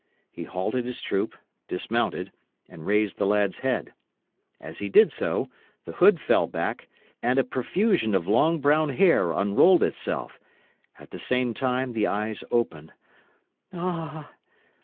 He halted his troop, dismounted, and raised the lad's head. As he did so, the hood fell back, and a profusion of long brown hair unrolled itself. At the same time the eyes opened. "Ah!